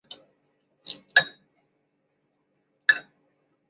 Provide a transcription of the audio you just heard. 网路购物的出现让男性能够更便利地浏览并购买各式各样的内衣商品。